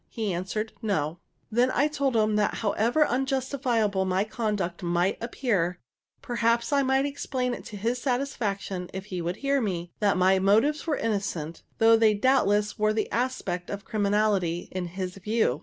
He answered, No. I then told him that however unjustifiable my conduct might appear, perhaps I might explain it to his satisfaction if he would hear me; that my motives were innocent, though they doubtless wore the aspect of criminality in his view.